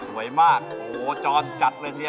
สวยมากโอ้โฮจอดจัดเลยนี่